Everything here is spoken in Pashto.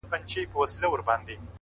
هوډ د شکمنو قدمونو ملاتړ کوي,